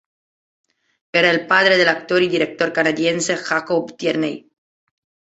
Era el padre del actor y director canadiense Jacob Tierney.